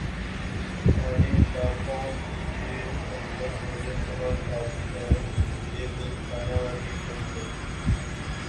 پہاڑی علاقوں کی یہ خصلت مجھے بہت بھاتی ہے یہ بل کھانے والی خصلت